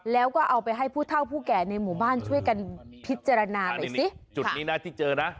แล้วก็เอาไปให้ผู้เท่าผู้แก่ในหมู่บ้านช่วยกันพิจารณาไปสิ